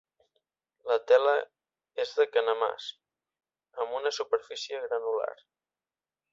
La tela és de canemàs amb una superfície granular.